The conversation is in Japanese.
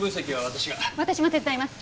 私も手伝います。